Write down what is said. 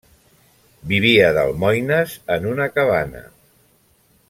Vivia d'almoines en una cabana.